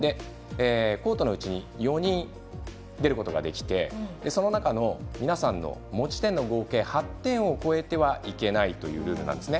コートに４人出ることができてその中の皆さんの持ち点の合計８点を超えてはいけないというルールなんですね。